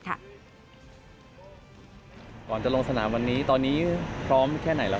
หวังจะลงสนามวันนี้ตอนนี้พร้อมแค่ไหน